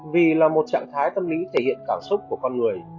vì là một trạng thái tâm lý thể hiện cảm xúc của con người